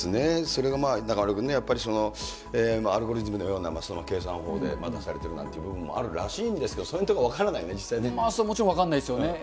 それが中丸君ね、やっぱり、アルゴリズムのような計算方法で任されているというような部分もあるらしいんですけど、そういうところは一切分からないね、もちろん分からないですよね。